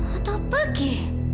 atau apa lagi